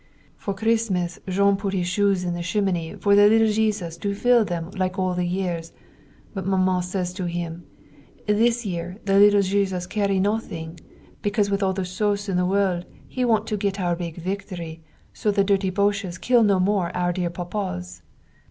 For Christmas Jean put his shoes in the chimney for the little Jesus fill them like all the years. But Maman say to him: "This year the little Jesus carry nothing, because with all the sous in the world he want to get our big victory so the dirty boches kill no more our dear Papas."